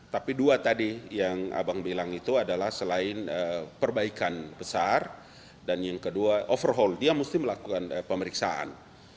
tapi dua tadi yang abang bilang itu adalah selain perbaikan besar dan yang kedua overhaul dia mesti melakukan pemeriksaan